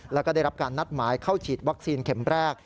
แล้วก็ได้รับการนัดหมายเข้าฉีดวัคซีนเข็มแรก